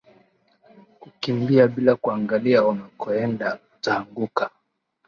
Kukimbia bila kuangalia unakoenda utaanguka